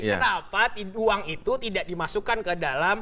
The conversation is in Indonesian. kenapa uang itu tidak dimasukkan ke dalam